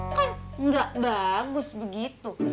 kan nggak bagus begitu